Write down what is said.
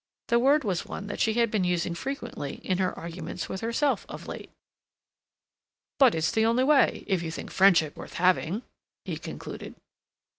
The word was one that she had been using frequently in her arguments with herself of late. "But it's the only way—if you think friendship worth having," he concluded.